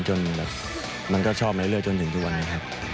แบบมันก็ชอบเรื่อยจนถึงทุกวันนี้ครับ